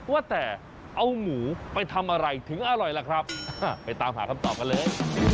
ว่าแต่เอาหมูไปทำอะไรถึงอร่อยล่ะครับไปตามหาคำตอบกันเลย